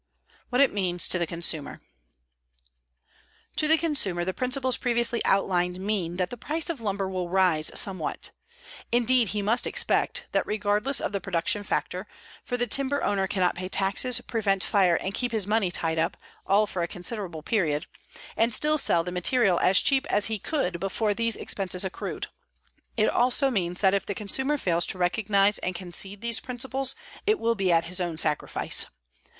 WHAT IT MEANS TO THE CONSUMER To the consumer the principles previously outlined mean that the price of lumber will rise somewhat. Indeed, he must expect that, regardless of the production factor, for the timber owner cannot pay taxes, prevent fire, and keep his money tied up, all for a considerable period, and still sell the material as cheap as he could before these expenses accrued. It also means that if the consumer fails to recognize and concede these principles it will be at his own sacrifice.